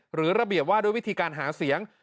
หรือระเบียบว่าด้วยวิธีการหาเสียง